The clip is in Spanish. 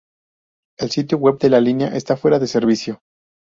El sitio web de la línea está fuera de servicio.